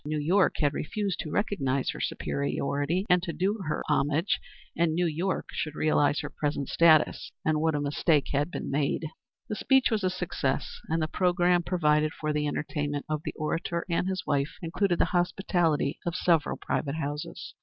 New York had refused to recognize her superiority and to do her homage, and New York should realize her present status, and what a mistake had been made. The speech was a success, and the programme provided for the entertainment of the orator and his wife included the hospitality of several private houses.